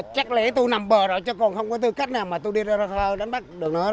chắc lẽ tôi nằm bờ rồi chứ còn không có tư cách nào mà tôi đi ra thơ đánh bắt được nữa